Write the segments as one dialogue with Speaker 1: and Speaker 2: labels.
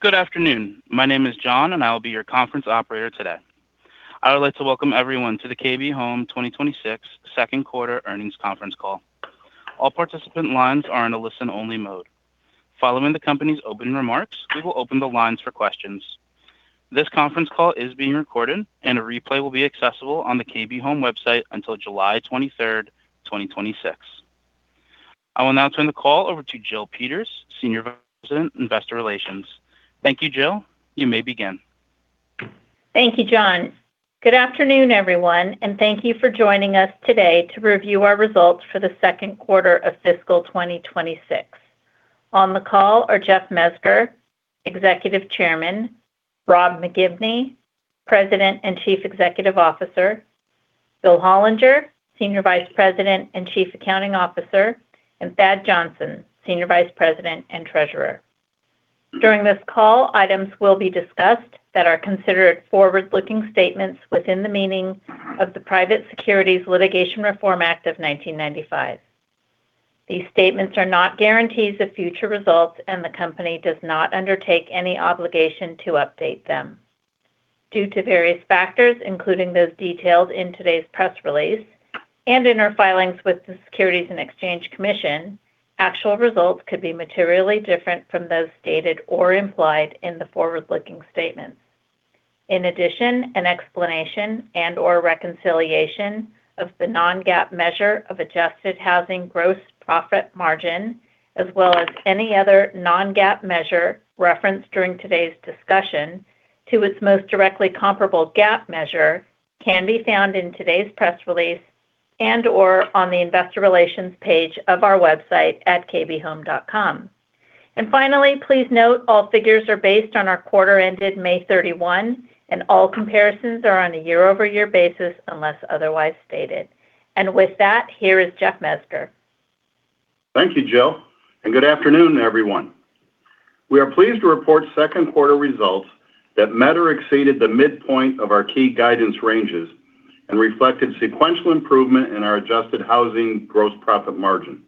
Speaker 1: Good afternoon. My name is John, and I will be your conference operator today. I would like to welcome everyone to the KB Home 2026 second quarter earnings conference call. All participant lines are in a listen-only mode. Following the company's opening remarks, we will open the lines for questions. This conference call is being recorded, and a replay will be accessible on the KB Home website until July 23rd, 2026. I will now turn the call over to Jill Peters, Senior Vice President, Investor Relations. Thank you, Jill. You may begin.
Speaker 2: Thank you, John. Good afternoon, everyone, and thank you for joining us today to review our results for the second quarter of fiscal 2026. On the call are Jeff Mezger, Executive Chairman, Rob McGibney, President and Chief Executive Officer, Bill Hollinger, Senior Vice President and Chief Accounting Officer, and Thad Johnson, Senior Vice President and Treasurer. During this call, items will be discussed that are considered forward-looking statements within the meaning of the Private Securities Litigation Reform Act of 1995. These statements are not guarantees of future results. The company does not undertake any obligation to update them. Due to various factors, including those detailed in today's press release and in our filings with the Securities and Exchange Commission, actual results could be materially different from those stated or implied in the forward-looking statements. An explanation and/or reconciliation of the non-GAAP measure of adjusted housing gross profit margin, as well as any other non-GAAP measure referenced during today's discussion to its most directly comparable GAAP measure can be found in today's press release and/or on the investor relations page of our website at kbhome.com. Finally, please note all figures are based on our quarter ended May 31, and all comparisons are on a year-over-year basis unless otherwise stated. With that, here is Jeff Mezger.
Speaker 3: Thank you, Jill. Good afternoon, everyone. We are pleased to report second quarter results that met or exceeded the midpoint of our key guidance ranges and reflected sequential improvement in our adjusted housing gross profit margin.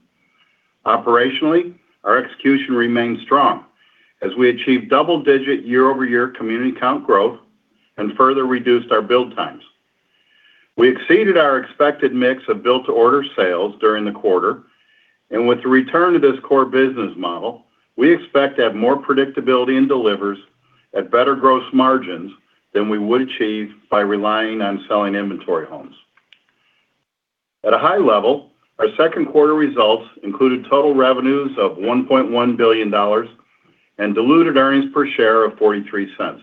Speaker 3: Operationally, our execution remained strong as we achieved double-digit year-over-year community count growth and further reduced our build times. We exceeded our expected mix of built-to-order sales during the quarter. With the return to this core business model, we expect to have more predictability in deliveries at better gross margins than we would achieve by relying on selling inventory homes. At a high level, our second quarter results included total revenues of $1.1 billion and diluted earnings per share of $0.43.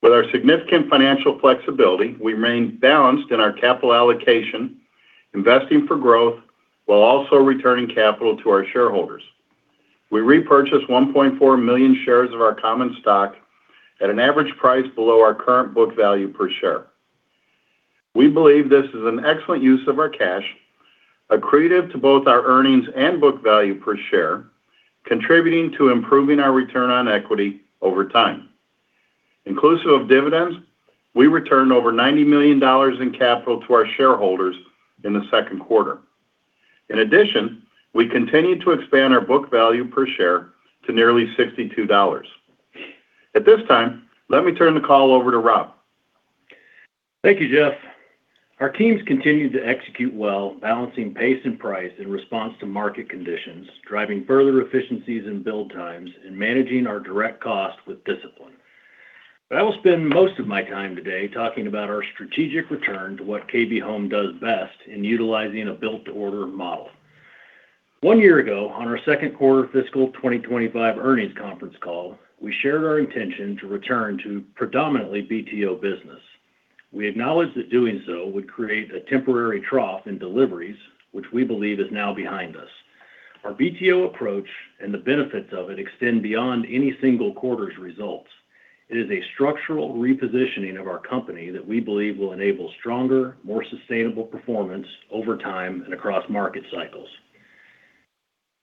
Speaker 3: With our significant financial flexibility, we remain balanced in our capital allocation, investing for growth while also returning capital to our shareholders. We repurchased 1.4 million shares of our common stock at an average price below our current book value per share. We believe this is an excellent use of our cash, accretive to both our earnings and book value per share, contributing to improving our return on equity over time. Inclusive of dividends, we returned over $90 million in capital to our shareholders in the second quarter. In addition, we continued to expand our book value per share to nearly $62. At this time, let me turn the call over to Rob.
Speaker 4: Thank you, Jeff. Our teams continued to execute well, balancing pace and price in response to market conditions, driving further efficiencies in build times and managing our direct cost with discipline. I will spend most of my time today talking about our strategic return to what KB Home does best in utilizing a built-to-order model. One year ago, on our second quarter fiscal 2025 earnings conference call, we shared our intention to return to predominantly BTO business. We acknowledged that doing so would create a temporary trough in deliveries, which we believe is now behind us. Our BTO approach and the benefits of it extend beyond any single quarter's results. It is a structural repositioning of our company that we believe will enable stronger, more sustainable performance over time and across market cycles.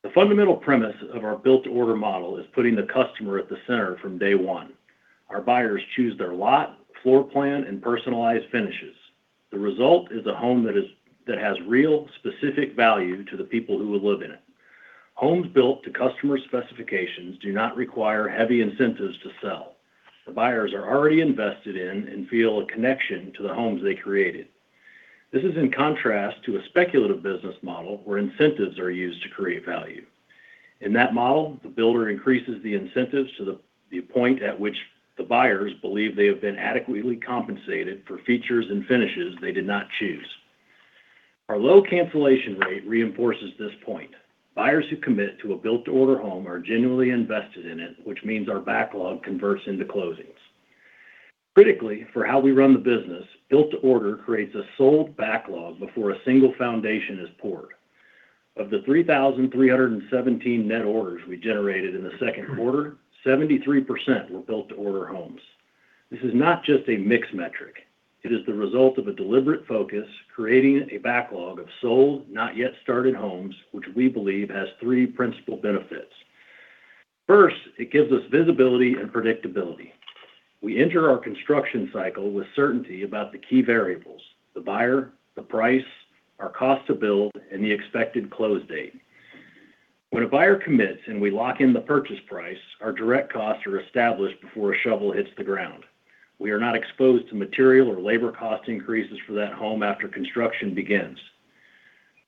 Speaker 4: The fundamental premise of our built-to-order model is putting the customer at the center from day one. Our buyers choose their lot, floor plan, and personalized finishes. The result is a home that has real specific value to the people who will live in it. Homes built to customer specifications do not require heavy incentives to sell. The buyers are already invested in and feel a connection to the homes they created. This is in contrast to a speculative business model where incentives are used to create value. In that model, the builder increases the incentives to the point at which the buyers believe they have been adequately compensated for features and finishes they did not choose. Our low cancellation rate reinforces this point. Buyers who commit to a built-to-order home are genuinely invested in it, which means our backlog converts into closings. Critically for how we run the business, built to order creates a sold backlog before a single foundation is poured. Of the 3,317 net orders we generated in the second quarter, 73% were built-to-order homes. This is not just a mix metric. It is the result of a deliberate focus creating a backlog of sold, not yet started homes, which we believe has three principal benefits. First, it gives us visibility and predictability. We enter our construction cycle with certainty about the key variables, the buyer, the price, our cost to build, and the expected close date. When a buyer commits and we lock in the purchase price, our direct costs are established before a shovel hits the ground. We are not exposed to material or labor cost increases for that home after construction begins.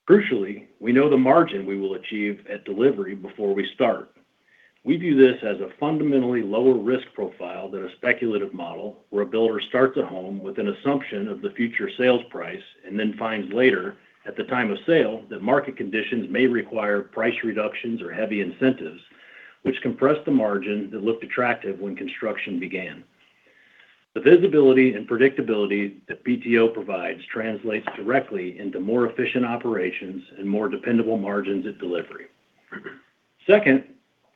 Speaker 4: Crucially, we know the margin we will achieve at delivery before we start. We view this as a fundamentally lower risk profile than a speculative model, where a builder starts a home with an assumption of the future sales price and then finds later, at the time of sale, that market conditions may require price reductions or heavy incentives, which compress the margin that looked attractive when construction began. The visibility and predictability that BTO provides translates directly into more efficient operations and more dependable margins at delivery. Second,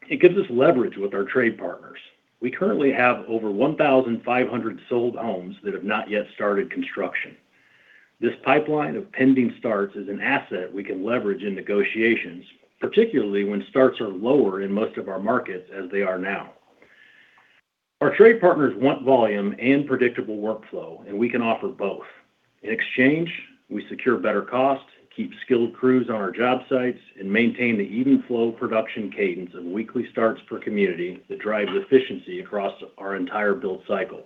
Speaker 4: it gives us leverage with our trade partners. We currently have over 1,500 sold homes that have not yet started construction. This pipeline of pending starts is an asset we can leverage in negotiations, particularly when starts are lower in most of our markets, as they are now. Our trade partners want volume and predictable workflow, and we can offer both. In exchange, we secure better costs, keep skilled crews on our job sites, and maintain the even flow production cadence of weekly starts per community that drives efficiency across our entire build cycle.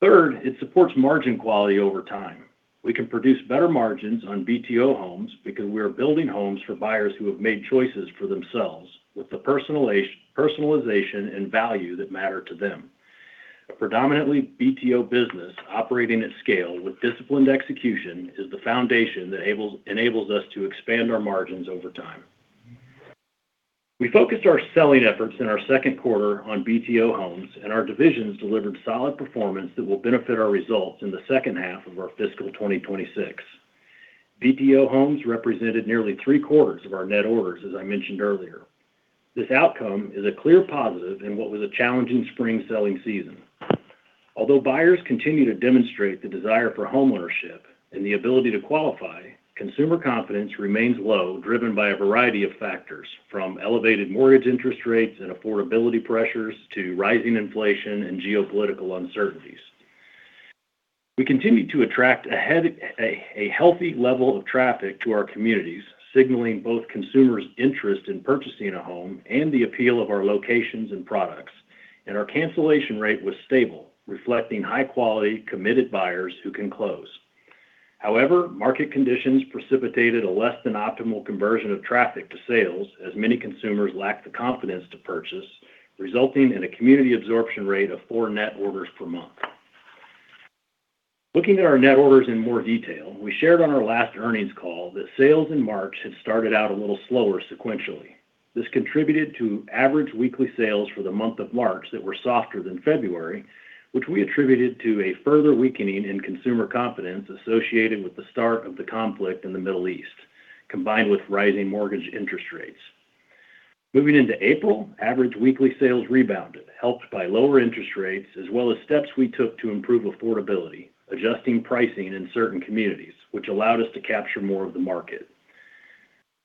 Speaker 4: Third, it supports margin quality over time. We can produce better margins on BTO homes because we are building homes for buyers who have made choices for themselves with the personalization and value that matter to them. A predominantly BTO business operating at scale with disciplined execution is the foundation that enables us to expand our margins over time. We focused our selling efforts in our second quarter on BTO homes, and our divisions delivered solid performance that will benefit our results in the second half of our fiscal 2026. BTO homes represented nearly three-quarters of our net orders, as I mentioned earlier. This outcome is a clear positive in what was a challenging spring selling season. Although buyers continue to demonstrate the desire for homeownership and the ability to qualify, consumer confidence remains low, driven by a variety of factors, from elevated mortgage interest rates and affordability pressures to rising inflation and geopolitical uncertainties. We continue to attract a healthy level of traffic to our communities, signaling both consumers' interest in purchasing a home and the appeal of our locations and products. Our cancellation rate was stable, reflecting high-quality, committed buyers who can close. However, market conditions precipitated a less than optimal conversion of traffic to sales as many consumers lack the confidence to purchase, resulting in a community absorption rate of four net orders per month. Looking at our net orders in more detail, we shared on our last earnings call that sales in March had started out a little slower sequentially. This contributed to average weekly sales for the month of March that were softer than February, which we attributed to a further weakening in consumer confidence associated with the start of the conflict in the Middle East, combined with rising mortgage interest rates. Moving into April, average weekly sales rebounded, helped by lower interest rates, as well as steps we took to improve affordability, adjusting pricing in certain communities, which allowed us to capture more of the market.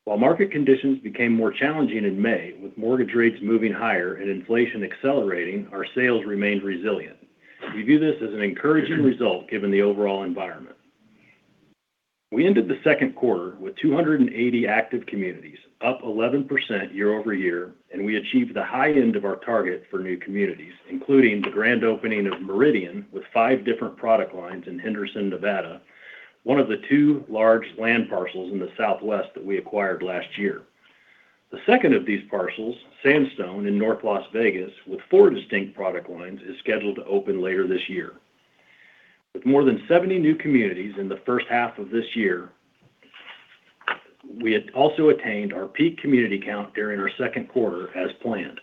Speaker 4: While market conditions became more challenging in May, with mortgage rates moving higher and inflation accelerating, our sales remained resilient. We view this as an encouraging result given the overall environment. We ended the second quarter with 280 active communities, up 11% year-over-year. We achieved the high end of our target for new communities, including the grand opening of Meridian with five different product lines in Henderson, Nevada, one of the two large land parcels in the Southwest that we acquired last year. The second of these parcels, Sandstone in North Las Vegas with four distinct product lines, is scheduled to open later this year. With more than 70 new communities in the first half of this year, we had also attained our peak community count during our second quarter as planned.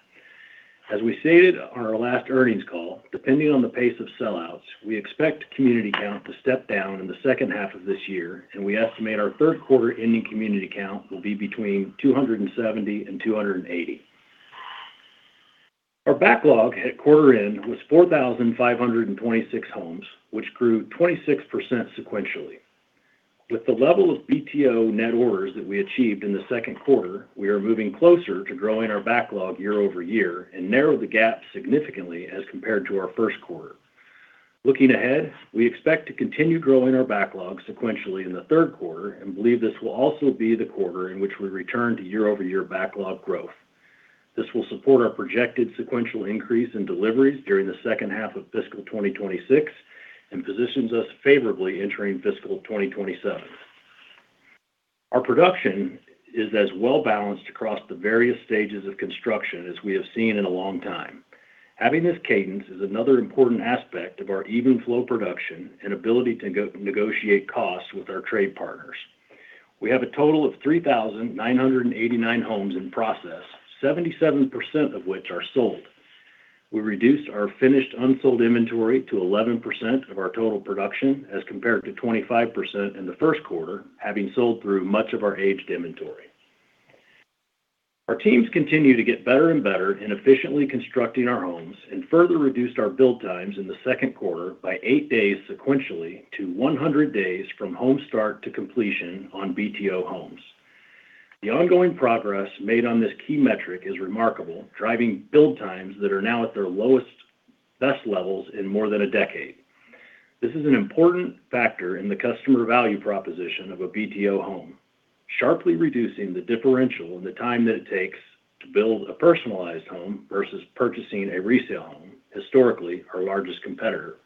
Speaker 4: As we stated on our last earnings call, depending on the pace of sellouts, we expect community count to step down in the second half of this year. We estimate our third quarter ending community count will be between 270 and 280. Our backlog at quarter end was 4,526 homes, which grew 26% sequentially. With the level of BTO net orders that we achieved in the second quarter, we are moving closer to growing our backlog year-over-year and narrowed the gap significantly as compared to our first quarter. Looking ahead, we expect to continue growing our backlog sequentially in the third quarter and believe this will also be the quarter in which we return to year-over-year backlog growth. This will support our projected sequential increase in deliveries during the second half of fiscal 2026 and positions us favorably entering fiscal 2027. Our production is as well-balanced across the various stages of construction as we have seen in a long time. Having this cadence is another important aspect of our even flow production and ability to negotiate costs with our trade partners. We have a total of 3,989 homes in process, 77% of which are sold. We reduced our finished unsold inventory to 11% of our total production as compared to 25% in the first quarter, having sold through much of our aged inventory. Our teams continue to get better and better in efficiently constructing our homes and further reduced our build times in the second quarter by eight days sequentially to 100 days from home start to completion on BTO homes. The ongoing progress made on this key metric is remarkable, driving build times that are now at their lowest best levels in more than a decade. This is an important factor in the customer value proposition of a BTO home, sharply reducing the differential in the time that it takes to build a personalized home versus purchasing a resale home, historically our largest competitor.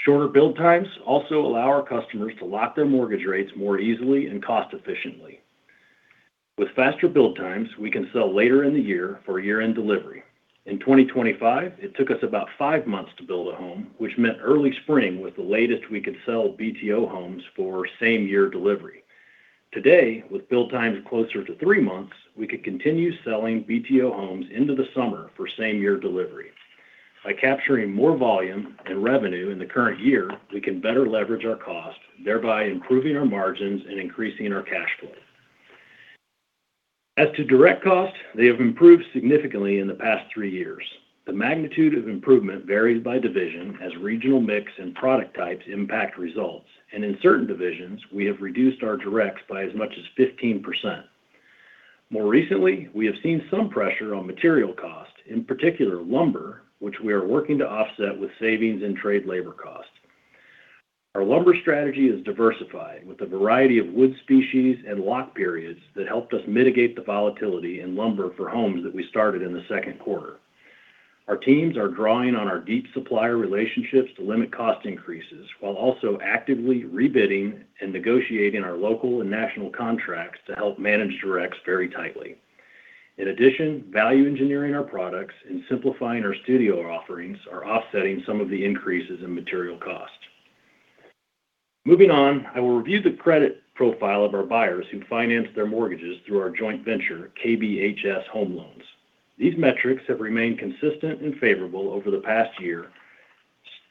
Speaker 4: Shorter build times also allow our customers to lock their mortgage rates more easily and cost efficiently. With faster build times, we can sell later in the year for year-end delivery. In 2025, it took us about five months to build a home, which meant early spring was the latest we could sell BTO homes for same-year delivery. Today, with build times closer to three months, we could continue selling BTO homes into the summer for same-year delivery. By capturing more volume and revenue in the current year, we can better leverage our cost, thereby improving our margins and increasing our cash flow. As to direct cost, they have improved significantly in the past three years. The magnitude of improvement varies by division as regional mix and product types impact results. In certain divisions, we have reduced our directs by as much as 15%. More recently, we have seen some pressure on material cost, in particular lumber, which we are working to offset with savings and trade labor costs. Our lumber strategy is diversified with a variety of wood species and lock periods that helped us mitigate the volatility in lumber for homes that we started in the second quarter. Our teams are drawing on our deep supplier relationships to limit cost increases while also actively rebidding and negotiating our local and national contracts to help manage directs very tightly. In addition, value engineering our products and simplifying our studio offerings are offsetting some of the increases in material costs. Moving on, I will review the credit profile of our buyers who finance their mortgages through our joint venture, KBHS Home Loans. These metrics have remained consistent and favorable over the past year,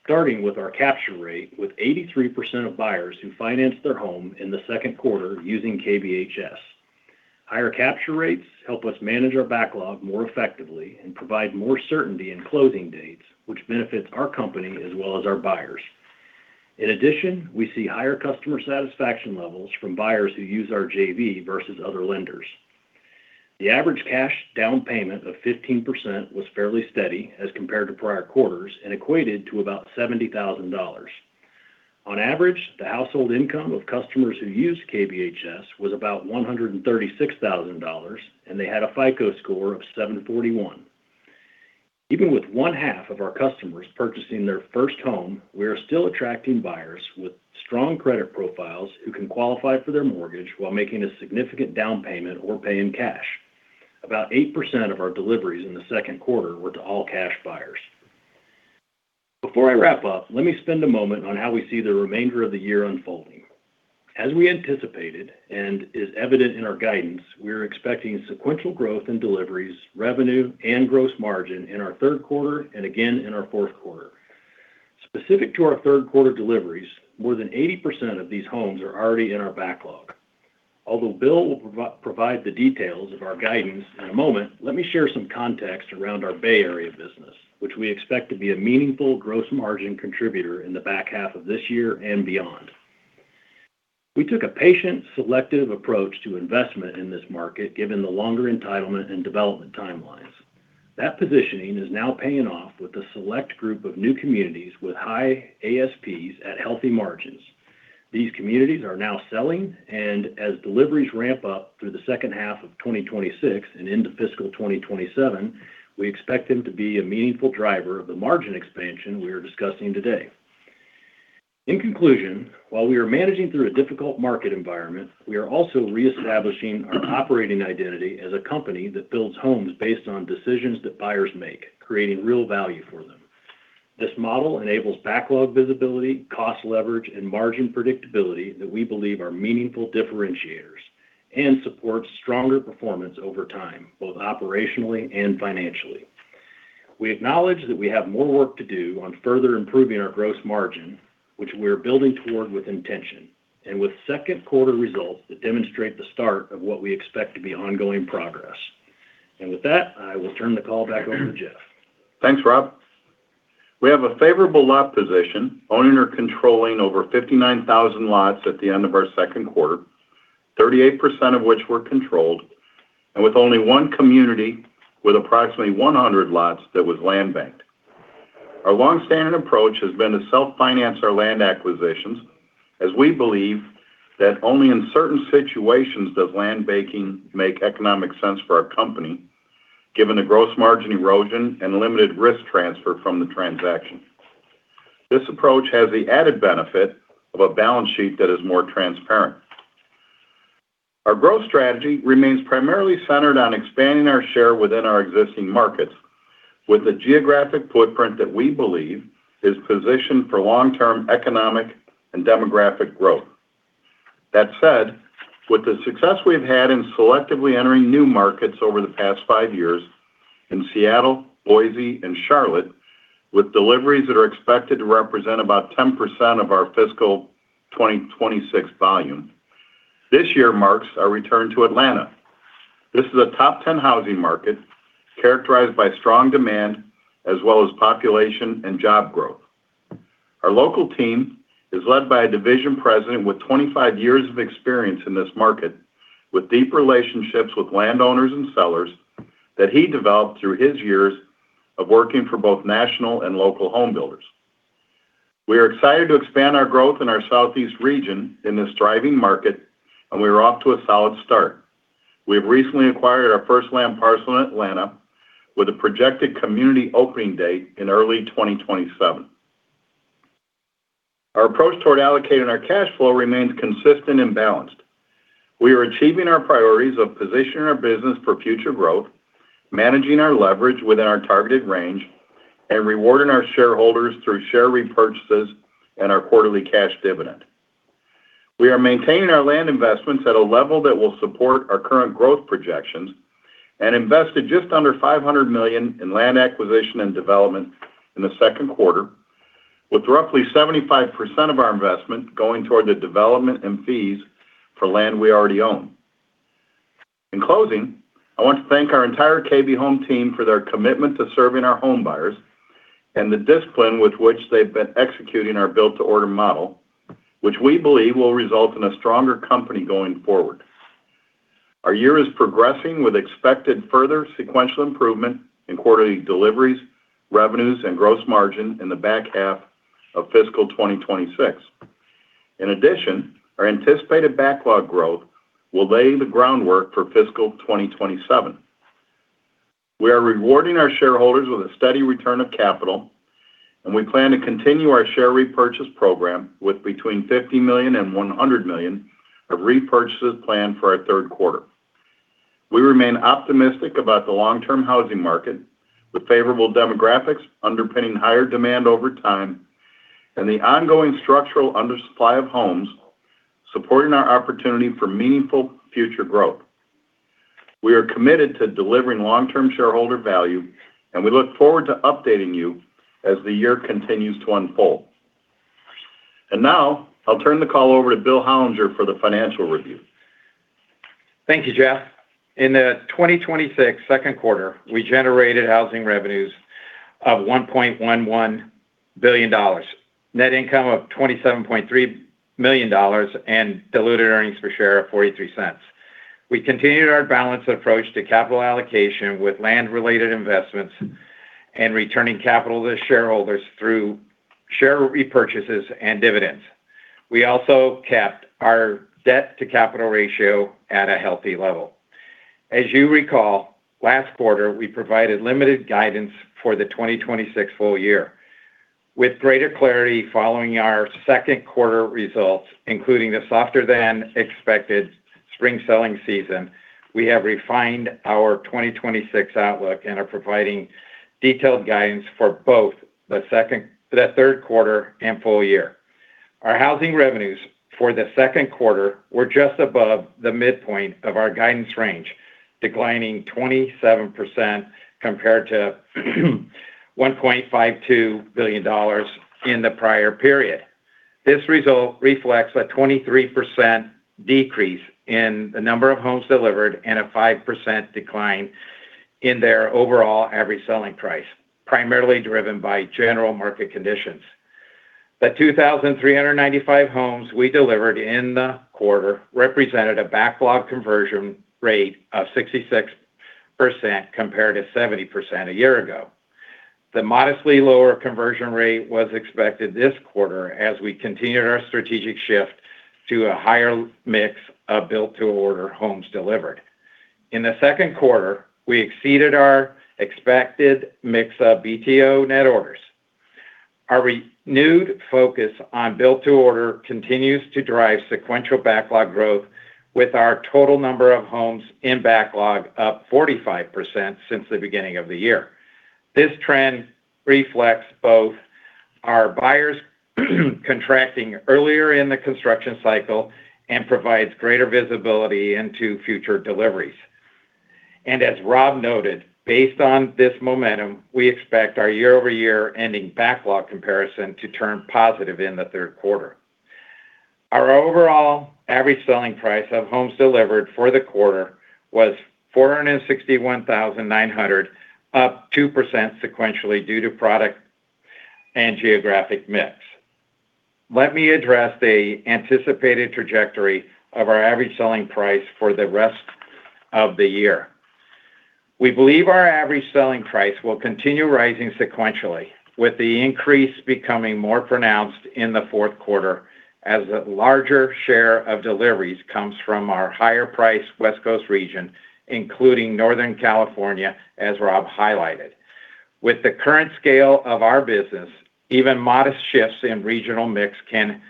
Speaker 4: starting with our capture rate, with 83% of buyers who financed their home in the second quarter using KBHS. Higher capture rates help us manage our backlog more effectively and provide more certainty in closing dates, which benefits our company as well as our buyers. In addition, we see higher customer satisfaction levels from buyers who use our JV versus other lenders. The average cash down payment of 15% was fairly steady as compared to prior quarters and equated to about $70,000. On average, the household income of customers who use KBHS was about $136,000, and they had a FICO score of 741. Even with one-half of our customers purchasing their first home, we are still attracting buyers with strong credit profiles who can qualify for their mortgage while making a significant down payment or pay in cash. About 8% of our deliveries in the second quarter were to all-cash buyers. Before I wrap up, let me spend a moment on how we see the remainder of the year unfolding. As we anticipated and is evident in our guidance, we are expecting sequential growth in deliveries, revenue, and gross margin in our third quarter and again in our fourth quarter. Specific to our third quarter deliveries, more than 80% of these homes are already in our backlog. Although Bill will provide the details of our guidance in a moment, let me share some context around our Bay Area business, which we expect to be a meaningful gross margin contributor in the back half of this year and beyond. We took a patient, selective approach to investment in this market, given the longer entitlement and development timelines. That positioning is now paying off with a select group of new communities with high ASPs at healthy margins. These communities are now selling, and as deliveries ramp up through the second half of 2026 and into fiscal 2027, we expect them to be a meaningful driver of the margin expansion we are discussing today. In conclusion, while we are managing through a difficult market environment, we are also reestablishing our operating identity as a company that builds homes based on decisions that buyers make, creating real value for them. This model enables backlog visibility, cost leverage, and margin predictability that we believe are meaningful differentiators and supports stronger performance over time, both operationally and financially. We acknowledge that we have more work to do on further improving our gross margin, which we are building toward with intention, with second quarter results that demonstrate the start of what we expect to be ongoing progress. With that, I will turn the call back over to Jeff.
Speaker 3: Thanks, Rob. We have a favorable lot position, owning or controlling over 59,000 lots at the end of our second quarter, 38% of which were controlled, with only one community with approximately 100 lots that was land banked. Our long-standing approach has been to self-finance our land acquisitions, as we believe that only in certain situations does land banking make economic sense for our company, given the gross margin erosion and limited risk transfer from the transaction. This approach has the added benefit of a balance sheet that is more transparent. Our growth strategy remains primarily centered on expanding our share within our existing markets with a geographic footprint that we believe is positioned for long-term economic and demographic growth. That said, with the success we've had in selectively entering new markets over the past five years in Seattle, Boise, and Charlotte, with deliveries that are expected to represent about 10% of our fiscal 2026 volume, this year marks our return to Atlanta. This is a top 10 housing market characterized by strong demand as well as population and job growth. Our local team is led by a division president with 25 years of experience in this market, with deep relationships with landowners and sellers that he developed through his years of working for both national and local home builders. We are excited to expand our growth in our southeast region in this thriving market, we are off to a solid start. We have recently acquired our first land parcel in Atlanta with a projected community opening date in early 2027. Our approach toward allocating our cash flow remains consistent and balanced. We are achieving our priorities of positioning our business for future growth, managing our leverage within our targeted range, and rewarding our shareholders through share repurchases and our quarterly cash dividend. We are maintaining our land investments at a level that will support our current growth projections and invested just under $500 million in land acquisition and development in the second quarter, with roughly 75% of our investment going toward the development and fees for land we already own. In closing, I want to thank our entire KB Home team for their commitment to serving our home buyers and the discipline with which they've been executing our build-to-order model, which we believe will result in a stronger company going forward. Our year is progressing with expected further sequential improvement in quarterly deliveries, revenues, and gross margin in the back half of fiscal 2026. In addition, our anticipated backlog growth will lay the groundwork for fiscal 2027. We are rewarding our shareholders with a steady return of capital, and we plan to continue our share repurchase program with between $50 million and $100 million of repurchases planned for our third quarter. We remain optimistic about the long-term housing market, with favorable demographics underpinning higher demand over time and the ongoing structural undersupply of homes supporting our opportunity for meaningful future growth. We are committed to delivering long-term shareholder value, and we look forward to updating you as the year continues to unfold. Now, I'll turn the call over to Bill Hollinger for the financial review.
Speaker 5: Thank you, Jeff. In the 2026 second quarter, we generated housing revenues of $1.11 billion, net income of $27.3 million, and diluted earnings per share of $0.43. We continued our balanced approach to capital allocation with land-related investments and returning capital to shareholders through share repurchases and dividends. We also kept our debt-to-capital ratio at a healthy level. As you recall, last quarter, we provided limited guidance for the 2026 full year. With greater clarity following our second quarter results, including the softer-than-expected spring selling season, we have refined our 2026 outlook and are providing detailed guidance for both the third quarter and full year. Our housing revenues for the second quarter were just above the midpoint of our guidance range, declining 27% compared to $1.52 billion in the prior period. This result reflects a 23% decrease in the number of homes delivered and a 5% decline in their overall average selling price, primarily driven by general market conditions. The 2,395 homes we delivered in the quarter represented a backlog conversion rate of 66% compared to 70% a year ago. The modestly lower conversion rate was expected this quarter as we continued our strategic shift to a higher mix of built-to-order homes delivered. In the second quarter, we exceeded our expected mix of BTO net orders. Our renewed focus on built to order continues to drive sequential backlog growth with our total number of homes in backlog up 45% since the beginning of the year. This trend reflects both our buyers contracting earlier in the construction cycle and provides greater visibility into future deliveries. As Rob noted, based on this momentum, we expect our year-over-year ending backlog comparison to turn positive in the third quarter. Our overall average selling price of homes delivered for the quarter was $461,900, up 2% sequentially due to product and geographic mix. Let me address the anticipated trajectory of our average selling price for the rest of the year. We believe our average selling price will continue rising sequentially, with the increase becoming more pronounced in the fourth quarter as the larger share of deliveries comes from our higher price West Coast region, including Northern California, as Rob highlighted. With the current scale of our business, even modest shifts in regional mix can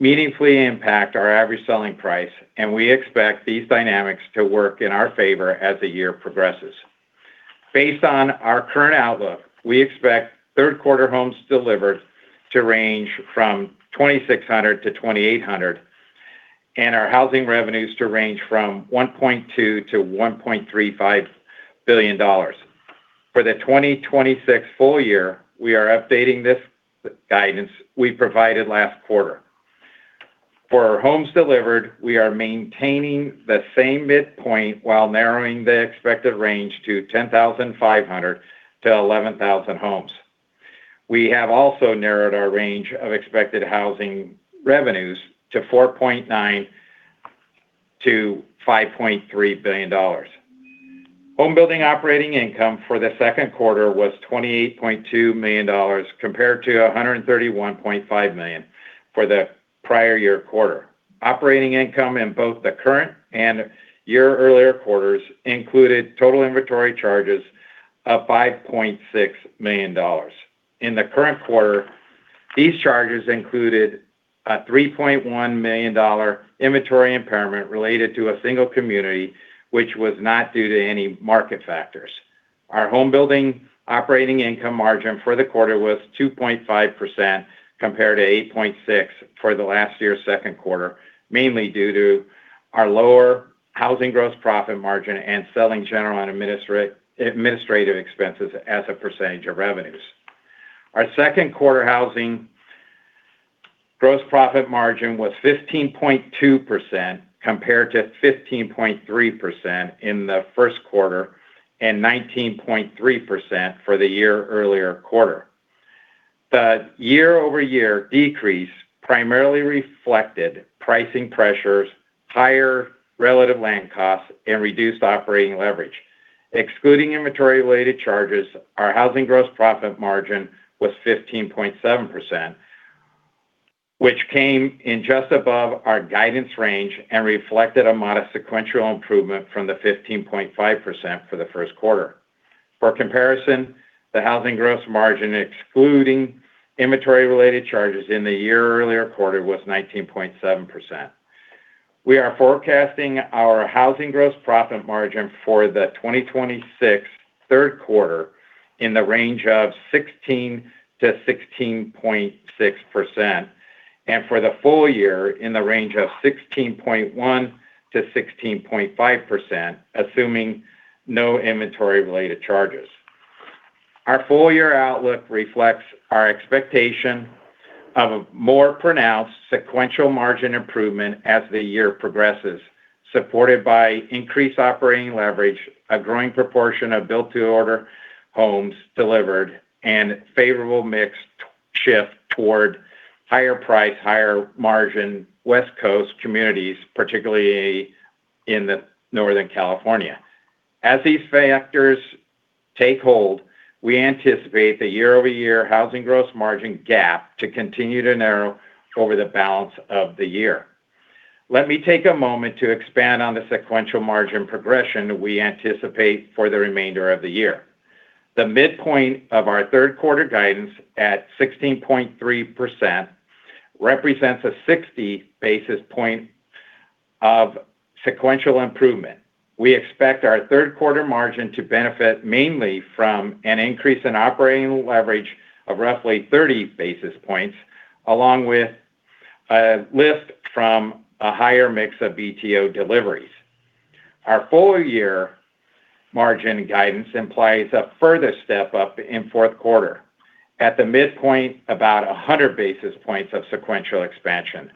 Speaker 5: meaningfully impact our average selling price, and we expect these dynamics to work in our favor as the year progresses. Based on our current outlook, we expect third quarter homes delivered to range from 2,600-2,800, and our housing revenues to range from $1.2 billion-$1.35 billion. For the 2026 full year, we are updating this guidance we provided last quarter. For our homes delivered, we are maintaining the same midpoint while narrowing the expected range to 10,500-11,000 homes. We have also narrowed our range of expected housing revenues to $4.9 billion-$5.3 billion. Home building operating income for the second quarter was $28.2 million, compared to $131.5 million for the prior year quarter. Operating income in both the current and year earlier quarters included total inventory charges of $5.6 million. In the current quarter, these charges included a $3.1 million inventory impairment related to a one community, which was not due to any market factors. Our home building operating income margin for the quarter was 2.5%, compared to 8.6% for the last year's second quarter, mainly due to our lower housing gross profit margin and selling, general, and administrative expenses as a percentage of revenues. Our second quarter housing gross profit margin was 15.2%, compared to 15.3% in the first quarter and 19.3% for the year earlier quarter. The year-over-year decrease primarily reflected pricing pressures, higher relative land costs, and reduced operating leverage. Excluding inventory-related charges, our housing gross profit margin was 15.7%, which came in just above our guidance range and reflected a modest sequential improvement from the 15.5% for the first quarter. For comparison, the housing gross margin, excluding inventory-related charges in the year earlier quarter was 19.7%. We are forecasting our housing gross profit margin for the 2026 third quarter in the range of 16%-16.6%, and for the full year in the range of 16.1%-16.5%, assuming no inventory-related charges. Our full-year outlook reflects our expectation of a more pronounced sequential margin improvement as the year progresses, supported by increased operating leverage, a growing proportion of built-to-order homes delivered, and a favorable mix shift toward higher price, higher margin West Coast communities, particularly in Northern California. As these factors take hold, we anticipate the year-over-year housing gross margin gap to continue to narrow over the balance of the year. Let me take a moment to expand on the sequential margin progression we anticipate for the remainder of the year. The midpoint of our third quarter guidance at 16.3% represents 60 basis points of sequential improvement. We expect our third quarter margin to benefit mainly from an increase in operating leverage of roughly 30 basis points, along with a lift from a higher mix of BTO deliveries. Our full-year margin guidance implies a further step up in fourth quarter. At the midpoint, about 100 basis points of sequential expansion.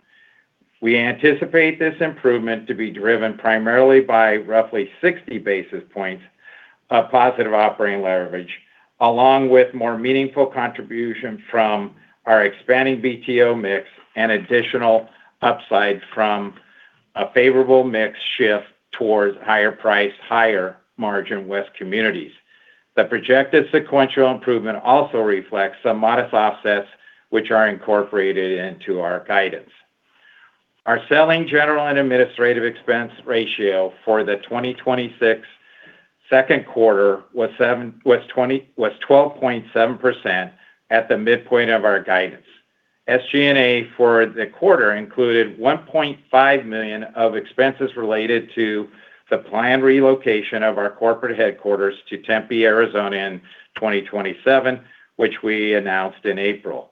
Speaker 5: We anticipate this improvement to be driven primarily by roughly 60 basis points of positive operating leverage, along with more meaningful contribution from our expanding BTO mix and additional upside from a favorable mix shift towards higher price, higher margin West communities. The projected sequential improvement also reflects some modest offsets which are incorporated into our guidance. Our selling, general, and administrative expense ratio for the 2026 second quarter was 12.7% at the midpoint of our guidance. SG&A for the quarter included $1.5 million of expenses related to the planned relocation of our corporate headquarters to Tempe, Arizona in 2027, which we announced in April.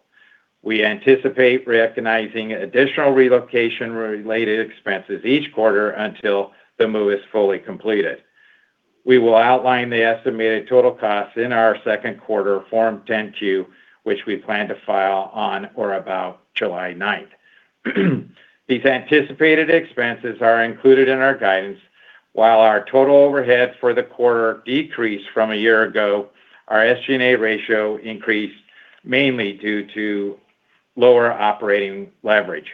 Speaker 5: We anticipate recognizing additional relocation-related expenses each quarter until the move is fully completed. We will outline the estimated total cost in our second quarter Form 10-Q, which we plan to file on or about July 9th. These anticipated expenses are included in our guidance. While our total overhead for the quarter decreased from a year ago, our SG&A ratio increased mainly due to lower operating leverage.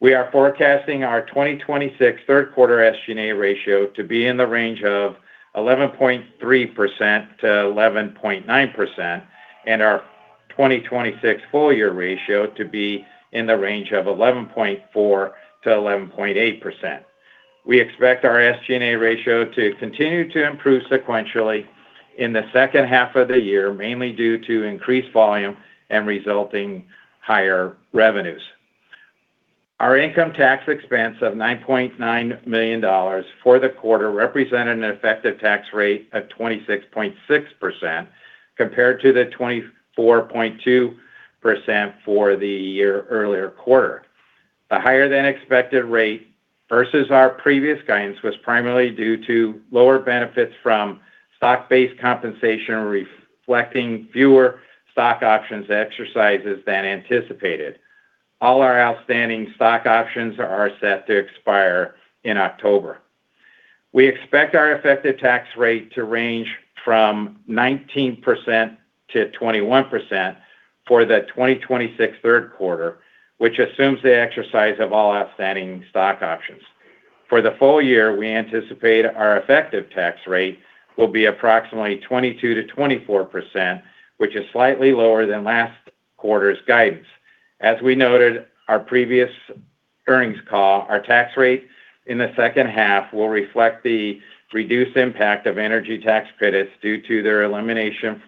Speaker 5: We are forecasting our 2026 third quarter SG&A ratio to be in the range of 11.3%-11.9%, and our 2026 full-year ratio to be in the range of 11.4%-11.8%. We expect our SG&A ratio to continue to improve sequentially in the second half of the year, mainly due to increased volume and resulting higher revenues. Our income tax expense of $9.9 million for the quarter represented an effective tax rate of 26.6%, compared to the 24.2% for the year-earlier quarter. The higher-than-expected rate versus our previous guidance was primarily due to lower benefits from Stock-based compensation reflecting fewer stock options exercises than anticipated. All our outstanding stock options are set to expire in October. We expect our effective tax rate to range from 19%-21% for the 2026 third quarter, which assumes the exercise of all outstanding stock options. For the full year, we anticipate our effective tax rate will be approximately 22%-24%, which is slightly lower than last quarter's guidance. As we noted our previous earnings call, our tax rate in the second half will reflect the reduced impact of energy tax credits due to their elimination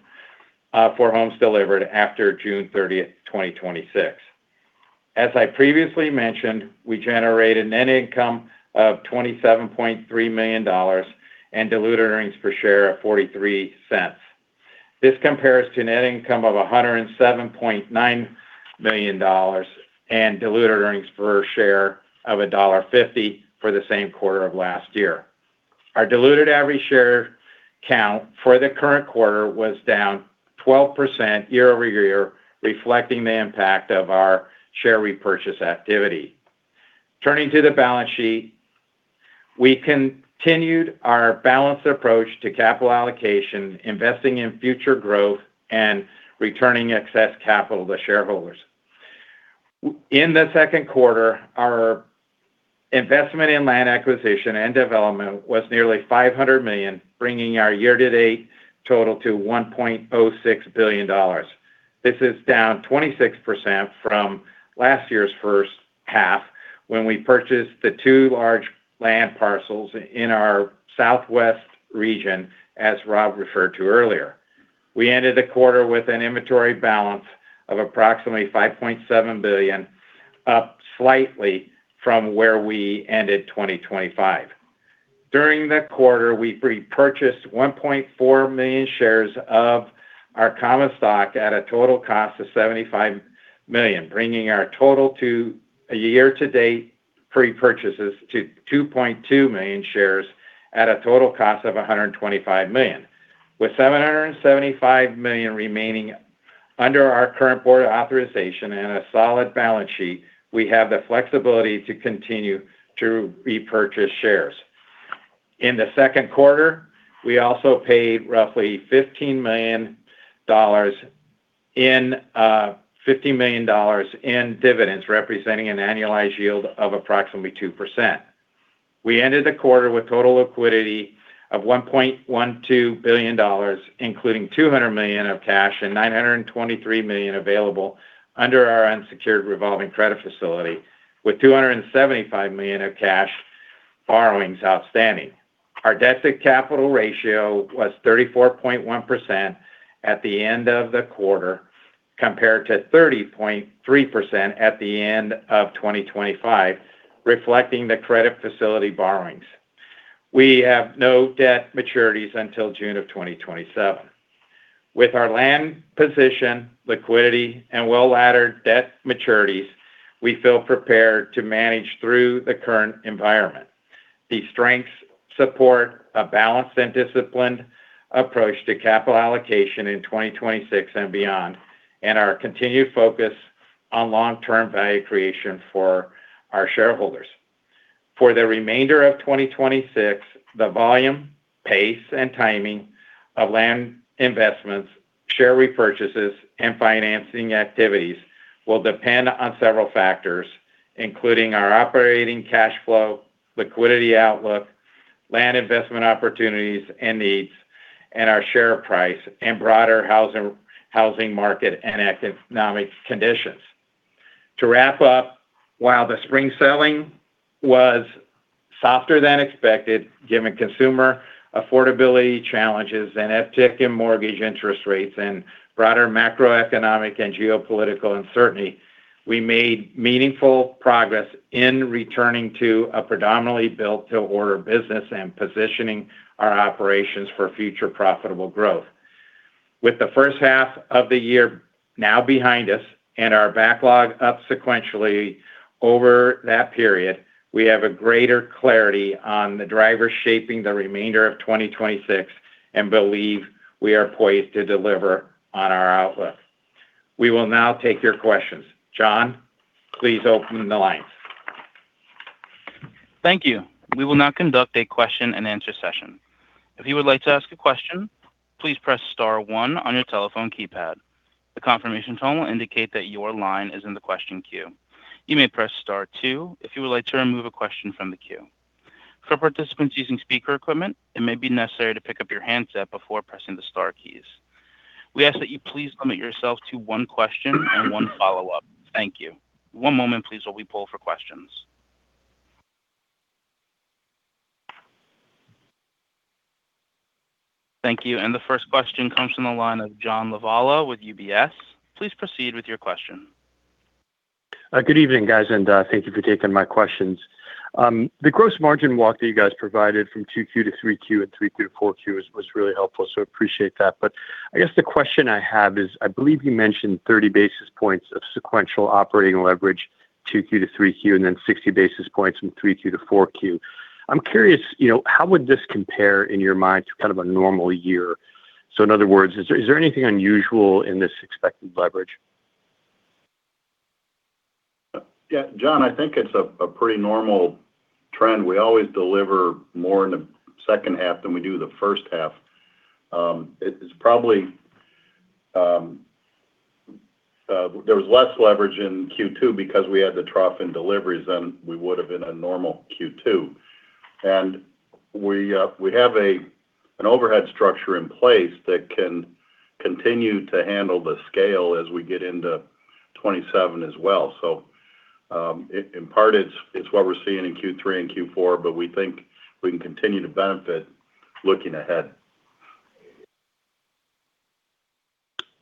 Speaker 5: for homes delivered after June 30th, 2026. As I previously mentioned, we generated net income of $27.3 million and diluted earnings per share of $0.43. This compares to net income of $107.9 million and diluted earnings per share of $1.50 for the same quarter of last year. Our diluted average share count for the current quarter was down 12% year-over-year, reflecting the impact of our share repurchase activity. Turning to the balance sheet, we continued our balanced approach to capital allocation, investing in future growth and returning excess capital to shareholders. In the second quarter, our investment in land acquisition and development was nearly $500 million, bringing our year-to-date total to $1.06 billion. This is down 26% from last year's first half when we purchased the two large land parcels in our Southwest region, as Rob referred to earlier. We ended the quarter with an inventory balance of approximately $5.7 billion, up slightly from where we ended 2025. During the quarter, we repurchased 1.4 million shares of our common stock at a total cost of $75 million, bringing our year-to-date repurchases to 2.2 million shares at a total cost of $125 million. With $775 million remaining under our current board authorization and a solid balance sheet, we have the flexibility to continue to repurchase shares. In the second quarter, we also paid roughly $50 million in dividends, representing an annualized yield of approximately 2%. We ended the quarter with total liquidity of $1.12 billion, including $200 million of cash and $923 million available under our unsecured revolving credit facility, with $275 million of cash borrowings outstanding. Our debt-to-capital ratio was 34.1% at the end of the quarter, compared to 30.3% at the end of 2025, reflecting the credit facility borrowings. We have no debt maturities until June of 2027. With our land position, liquidity, and well-laddered debt maturities, we feel prepared to manage through the current environment. These strengths support a balanced and disciplined approach to capital allocation in 2026 and beyond, and our continued focus on long-term value creation for our shareholders. For the remainder of 2026, the volume, pace, and timing of land investments, share repurchases, and financing activities will depend on several factors, including our operating cash flow, liquidity outlook, land investment opportunities and needs, and our share price and broader housing market and economic conditions. To wrap up, while the spring selling was softer than expected, given consumer affordability challenges and uptick in mortgage interest rates and broader macroeconomic and geopolitical uncertainty, we made meaningful progress in returning to a predominantly built-to-order business and positioning our operations for future profitable growth. With the first half of the year now behind us and our backlog up sequentially over that period, we have a greater clarity on the drivers shaping the remainder of 2026 and believe we are poised to deliver on our outlook. We will now take your questions. John, please open the lines.
Speaker 1: Thank you. We will now conduct a question and answer session. If you would like to ask a question, please press star one on your telephone keypad. The confirmation tone will indicate that your line is in the question queue. You may press star two if you would like to remove a question from the queue. For participants using speaker equipment, it may be necessary to pick up your handset before pressing the star keys. We ask that you please limit yourself to one question and one follow-up. Thank you. One moment, please, while we poll for questions. Thank you. The first question comes from the line of John Lovallo with UBS. Please proceed with your question.
Speaker 6: Good evening, guys, thank you for taking my questions. The gross margin walk that you guys provided from 2Q to 3Q and 3Q to 4Q was really helpful, appreciate that. I guess the question I have is, I believe you mentioned 30 basis points of sequential operating leverage 2Q to 3Q, then 60 basis points from 3Q to 4Q. I'm curious, how would this compare in your mind to a normal year? In other words, is there anything unusual in this expected leverage?
Speaker 4: Yeah, John, I think it's a pretty normal trend. We always deliver more in the second half than we do the first half. There was less leverage in Q2 because we had the trough in deliveries than we would've in a normal Q2. We have an overhead structure in place that can continue to handle the scale as we get into 2027 as well. In part it's what we're seeing in Q3 and Q4, but we think we can continue to benefit looking ahead.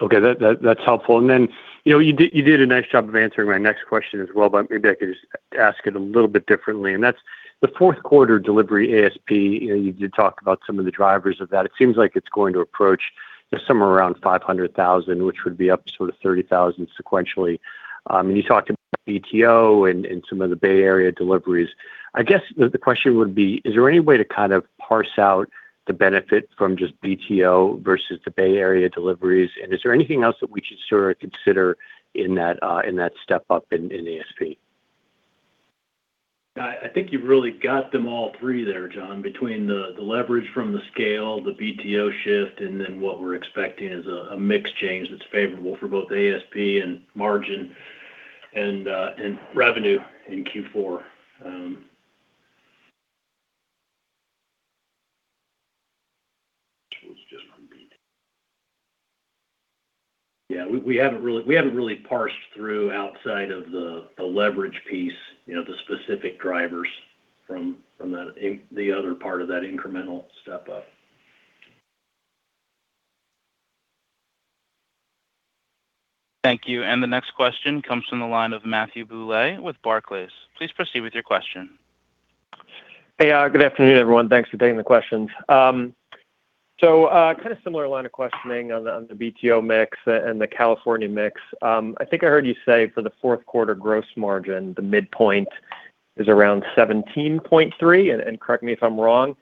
Speaker 6: Okay. That's helpful. You did a nice job of answering my next question as well, but maybe I could just ask it a little bit differently, and that's the fourth quarter delivery ASP. You did talk about some of the drivers of that. It seems like it's going to approach somewhere around $500,000, which would be up sort of $30,000 sequentially. You talked about BTO and some of the Bay Area deliveries. I guess the question would be, is there any way to kind of parse out the benefit from just BTO versus the Bay Area deliveries, and is there anything else that we should sort of consider in that step up in ASP?
Speaker 4: I think you've really got them all three there, John, between the leverage from the scale, the BTO shift, what we're expecting is a mix change that's favorable for both ASP and margin, revenue in Q4. Yeah, we haven't really parsed through outside of the leverage piece, the specific drivers from the other part of that incremental step-up.
Speaker 1: Thank you. The next question comes from the line of Matthew Bouley with Barclays. Please proceed with your question.
Speaker 7: Good afternoon, everyone. Thanks for taking the questions. Kind of similar line of questioning on the BTO mix and the California mix. I think I heard you say for the fourth quarter gross margin, the midpoint is around 17.3%, and correct me if I'm wrong.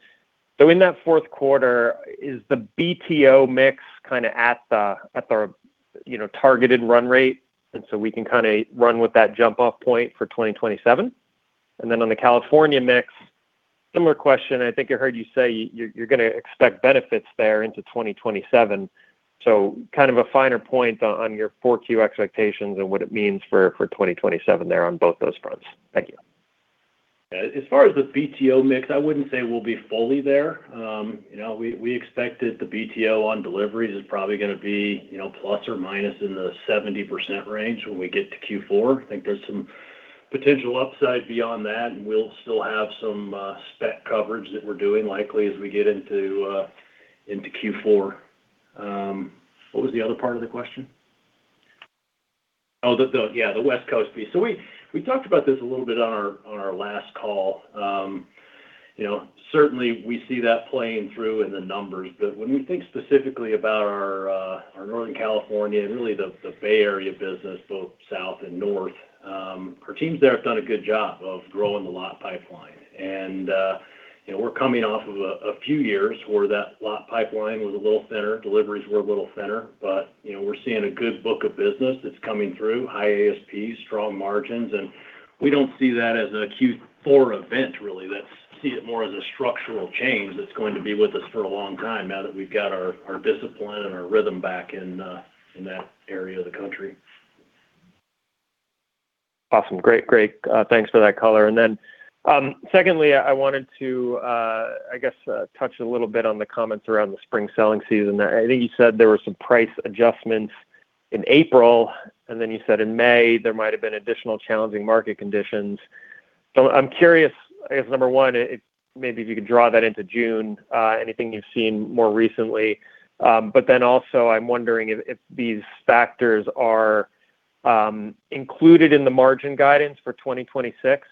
Speaker 7: In that fourth quarter, is the BTO mix kind of at the targeted run rate, and so we can kind of run with that jump-off point for 2027? On the California mix, similar question. I think I heard you say you're going to expect benefits there into 2027. Kind of a finer point on your 4Q expectations and what it means for 2027 there on both those fronts. Thank you.
Speaker 4: As far as the BTO mix, I wouldn't say we'll be fully there. We expected the BTO on deliveries is probably going to be plus or minus in the 70% range when we get to Q4. I think there's some potential upside beyond that, and we'll still have some spec coverage that we're doing likely as we get into Q4. What was the other part of the question? Oh, yeah, the West Coast piece. We talked about this a little bit on our last call. Certainly, we see that playing through in the numbers. When we think specifically about our Northern California and really the Bay Area business, both south and north, our teams there have done a good job of growing the lot pipeline. We're coming off of a few years where that lot pipeline was a little thinner, deliveries were a little thinner, we're seeing a good book of business that's coming through, high ASPs, strong margins, and we don't see that as a Q4 event, really. Let's see it more as a structural change that's going to be with us for a long time now that we've got our discipline and our rhythm back in that area of the country.
Speaker 7: Awesome. Great. Thanks for that color. Secondly, I wanted to, I guess, touch a little bit on the comments around the spring selling season. I think you said there were some price adjustments in April, and then you said in May there might have been additional challenging market conditions. I'm curious, I guess number 1, maybe if you could draw that into June, anything you've seen more recently. Also, I'm wondering if these factors are included in the margin guidance for 2026,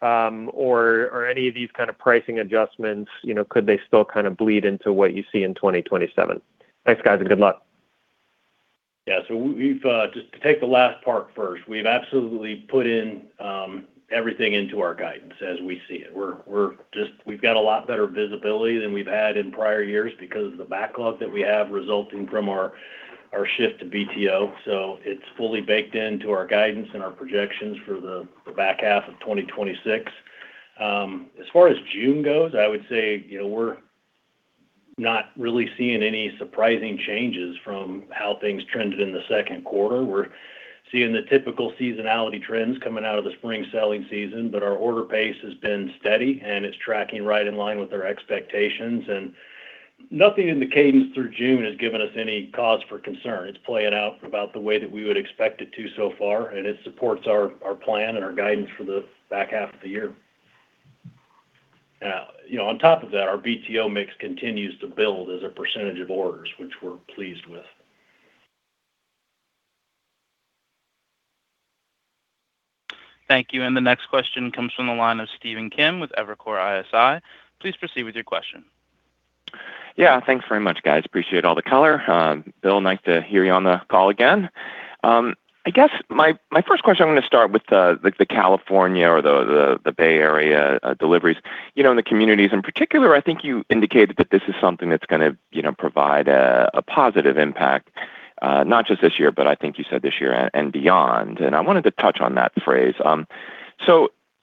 Speaker 7: or any of these kinds of pricing adjustments, could they still kind of bleed into what you see in 2027? Thanks, guys, and good luck.
Speaker 4: Just to take the last part first, we've absolutely put in everything into our guidance as we see it. We've got a lot better visibility than we've had in prior years because of the backlog that we have resulting from our shift to BTO. It's fully baked into our guidance and our projections for the back half of 2026. As far as June goes, I would say we're not really seeing any surprising changes from how things trended in the second quarter. We're seeing the typical seasonality trends coming out of the spring selling season, but our order pace has been steady and it's tracking right in line with our expectations. Nothing in the cadence through June has given us any cause for concern. It's playing out about the way that we would expect it to so far. It supports our plan and our guidance for the back half of the year. On top of that, our BTO mix continues to build as a percentage of orders, which we're pleased with.
Speaker 1: Thank you. The next question comes from the line of Stephen Kim with Evercore ISI. Please proceed with your question.
Speaker 8: Thanks very much, guys. Appreciate all the color. Bill, nice to hear you on the call again. I guess my first question, I'm going to start with the California or the Bay Area deliveries. In the communities in particular, I think you indicated that this is something that's going to provide a positive impact, not just this year, but I think you said this year and beyond. I wanted to touch on that phrase.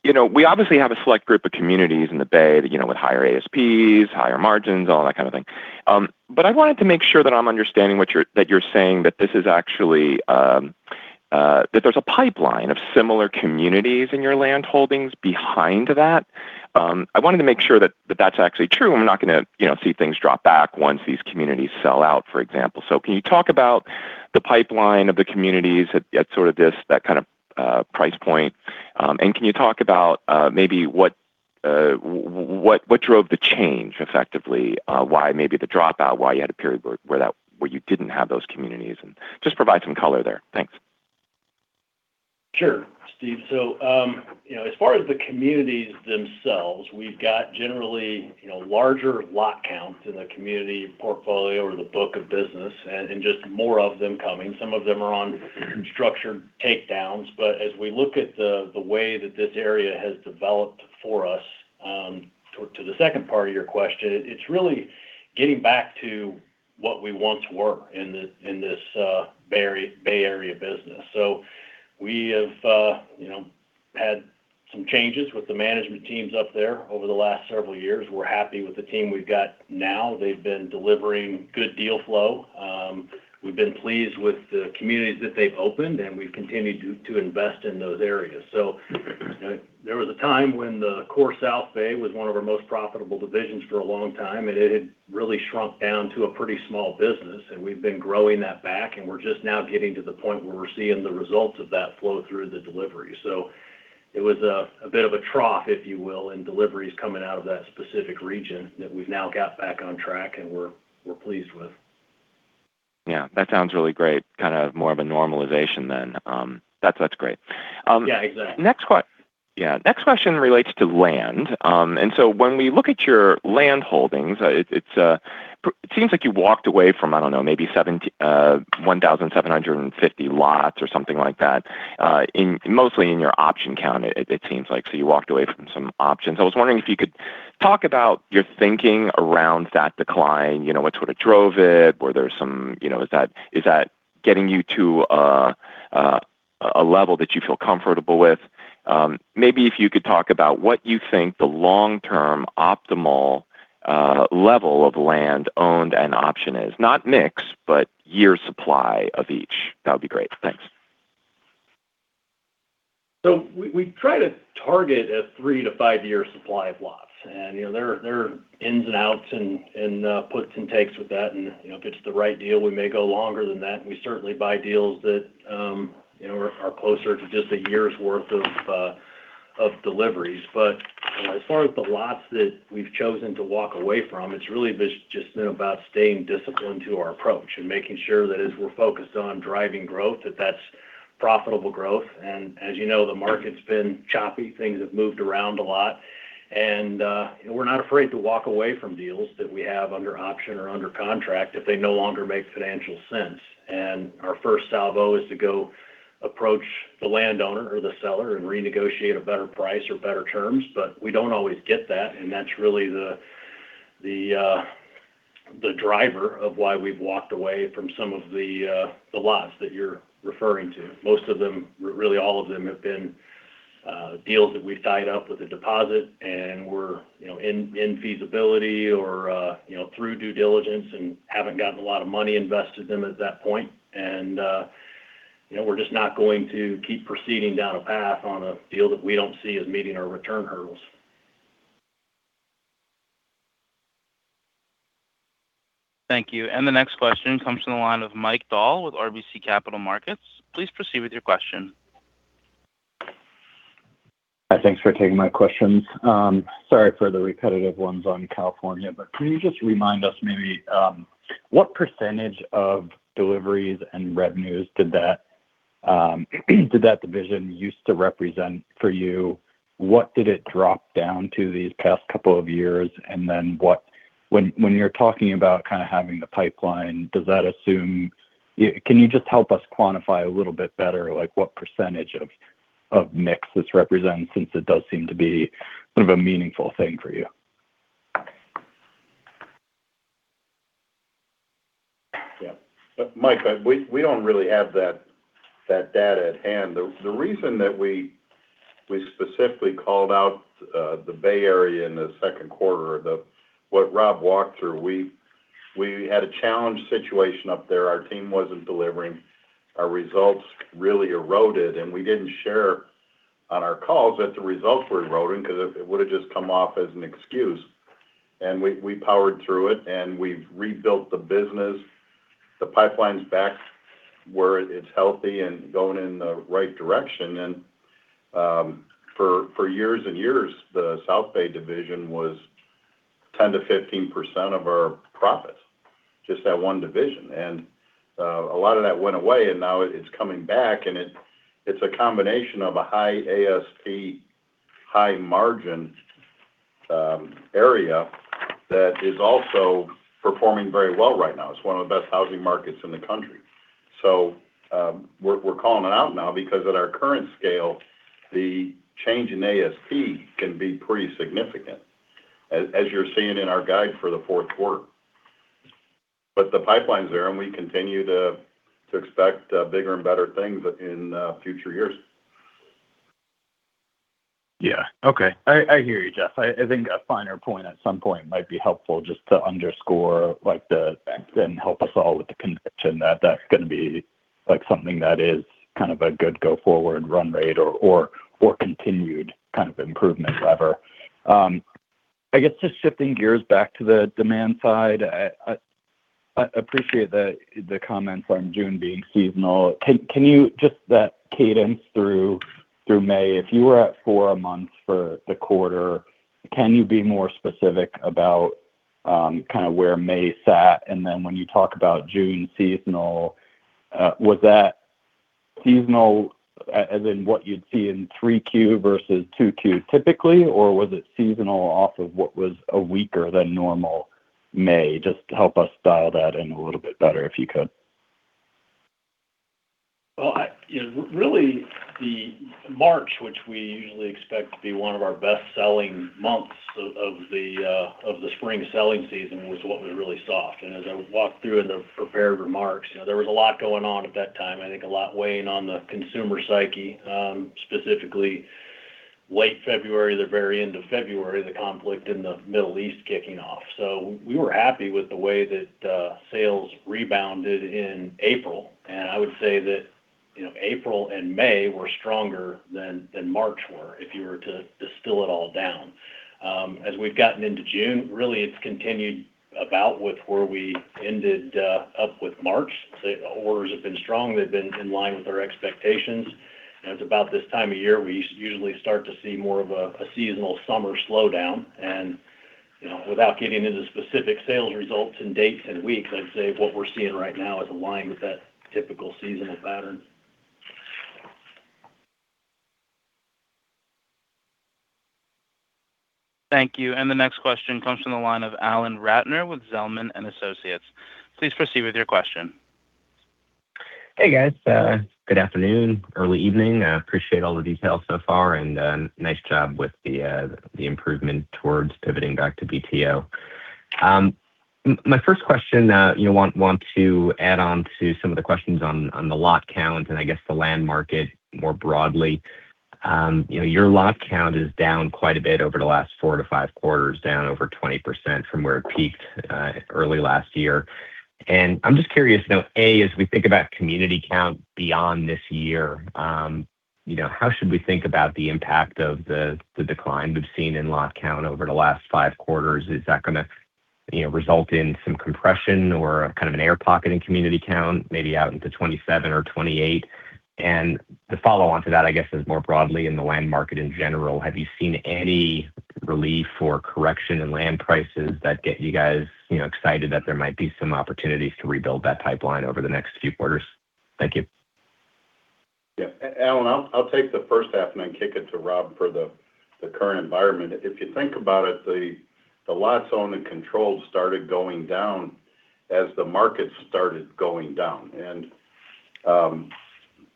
Speaker 8: We obviously have a select group of communities in the Bay with higher ASPs, higher margins, all that kind of thing. I wanted to make sure that I'm understanding that you're saying that there's a pipeline of similar communities in your land holdings behind that. I wanted to make sure that's actually true and we're not going to see things drop back once these communities sell out, for example. Can you talk about the pipeline of the communities at sort of this, that kind of price point? Can you talk about maybe what drove the change effectively? Why maybe the dropout, why you had a period where you didn't have those communities, and just provide some color there. Thanks.
Speaker 4: Sure, Steve. As far as the communities themselves, we've got generally, larger lot counts in the community portfolio or the book of business, just more of them coming. Some of them are on structured takedowns. As we look at the way that this area has developed for us, to the second part of your question, it's really getting back to what we want to be in this Bay Area business. We have had some changes with the management teams up there over the last several years. We're happy with the team we've got now. They've been delivering good deal flow. We've been pleased with the communities that they've opened, and we've continued to invest in those areas. There was a time when the core South Bay was one of our most profitable divisions for a long time. It had really shrunk down to a pretty small business, and we've been growing that back, and we're just now getting to the point where we're seeing the results of that flow through the delivery. It was a bit of a trough, if you will, in deliveries coming out of that specific region that we've now got back on track and we're pleased with.
Speaker 8: Yeah. That sounds really great. Kind of more of a normalization then. That's great.
Speaker 4: Yeah, exactly.
Speaker 8: Yeah. Next question relates to land. When we look at your land holdings, it seems like you walked away from, I don't know, maybe 1,750 lots or something like that, mostly in your option count, it seems like. You walked away from some options. I was wondering if you could talk about your thinking around that decline, what sort of drove it? Is that getting you to a level that you feel comfortable with? Maybe if you could talk about what you think the long-term optimal level of land owned and option is? Not mix, but year supply of each. That would be great. Thanks.
Speaker 4: We try to target a three to five-year supply of lots. There are ins and outs and puts and takes with that. If it's the right deal, we may go longer than that. We certainly buy deals that are closer to just a year's worth of deliveries. As far as the lots that we've chosen to walk away from, it's really just been about staying disciplined to our approach and making sure that as we're focused on driving growth, that that's profitable growth. As you know, the market's been choppy. Things have moved around a lot. We're not afraid to walk away from deals that we have under option or under contract if they no longer make financial sense. Our first salvo is to go approach the landowner or the seller and renegotiate a better price or better terms. We don't always get that, and that's really the driver of why we've walked away from some of the lots that you're referring to. Most of them, really all of them, have been deals that we've tied up with a deposit and were in feasibility or through due diligence and haven't gotten a lot of money invested in them at that point. We're just not going to keep proceeding down a path on a deal that we don't see as meeting our return hurdles.
Speaker 1: Thank you. The next question comes from the line of Mike Dahl with RBC Capital Markets. Please proceed with your question.
Speaker 9: Thanks for taking my questions. Sorry for the repetitive ones on California, can you just remind us maybe what percentage of deliveries and revenues did that division used to represent for you? What did it drop down to these past couple of years? When you're talking about kind of having the pipeline, does that assume? Can you just help us quantify a little bit better like what percentage of mix this represents, since it does seem to be sort of a meaningful thing for you?
Speaker 3: Yeah. Mike, we don't really have that data at hand. The reason that we specifically called out the Bay Area in the second quarter, what Rob walked through, we had a challenge situation up there. Our team wasn't delivering. Our results really eroded, we didn't share on our calls that the results were eroding because it would've just come off as an excuse. We powered through it, and we've rebuilt the business. The pipeline's back where it's healthy and going in the right direction. For years and years, the South Bay division was 10%-15% of our profit. Just that one division. A lot of that went away, and now it's coming back and it's a combination of a high ASP, high margin area that is also performing very well right now. It's one of the best housing markets in the country. We're calling it out now because at our current scale, the change in ASP can be pretty significant, as you're seeing in our guide for the fourth quarter. The pipeline's there, and we continue to expect bigger and better things in future years.
Speaker 9: Okay. I hear you, Jeff. I think a finer point at some point might be helpful just to underscore the effect and help us all with the conviction that's going to be something that is a good go-forward run rate or continued improvement lever. I guess shifting gears back to the demand side, I appreciate the comments on June being seasonal. Can you, that cadence through May, if you were at four a month for the quarter, can you be more specific about where May sat? When you talk about June seasonal, was that seasonal as in what you'd see in 3Q versus 2Q typically, or was it seasonal off of what was a weaker than normal May? Just help us dial that in a little bit better, if you could.
Speaker 4: Really the March, which we usually expect to be one of our best-selling months of the spring selling season, was what was really soft. As I walked through in the prepared remarks, there was a lot going on at that time, I think a lot weighing on the consumer psyche, specifically late February, the very end of February, the conflict in the Middle East kicking off. We were happy with the way that sales rebounded in April. I would say that April and May were stronger than March were, if you were to distill it all down. As we've gotten into June, really it's continued about with where we ended up with March. The orders have been strong. They've been in line with our expectations. It's about this time of year, we usually start to see more of a seasonal summer slowdown and without getting into specific sales results and dates and weeks, I'd say what we're seeing right now is aligned with that typical seasonal pattern.
Speaker 1: Thank you. The next question comes from the line of Alan Ratner with Zelman & Associates. Please proceed with your question.
Speaker 10: Hey, guys. Good afternoon, early evening. Appreciate all the details so far. Nice job with the improvement towards pivoting back to BTO. My first question, I want to add on to some of the questions on the lot count and I guess the land market more broadly. Your lot count is down quite a bit over the last four to five quarters, down over 20% from where it peaked early last year. I'm just curious to know, A, as we think about community count beyond this year, how should we think about the impact of the decline we've seen in lot count over the last five quarters? Is that going to result in some compression or a kind of an air pocket in community count maybe out into 2027 or 2028? The follow-on to that, I guess, is more broadly in the land market in general, have you seen any relief or correction in land prices that get you guys excited that there might be some opportunities to rebuild that pipeline over the next few quarters? Thank you.
Speaker 3: Yeah. Alan, I'll take the first half and then kick it to Rob for the current environment. If you think about it, the lots owned and controlled started going down as the market started going down.